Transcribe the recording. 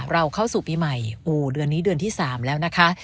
เข้าสู่ปีใหม่โอ้เดือนนี้เดือนที่๓แล้วนะคะ